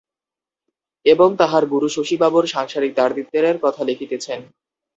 এবং তাঁহার গুরু শশীবাবুর সাংসারিক দারিদ্র্যের কথা লিখিতেছেন।